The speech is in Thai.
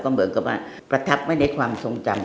เหมือนกับว่าประทับไว้ในความทรงจำ